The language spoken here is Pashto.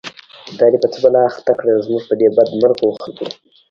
دا دی څه بلا اخته کړه، زمونږ په دی بد مرغوخلکو